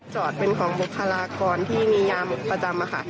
จอดเป็นของบุคลากรที่มีงานประจำค่ะ